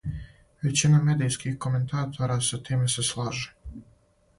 Већина медијских коментатора са тиме се слаже.